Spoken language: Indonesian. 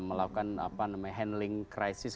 melakukan handling krisis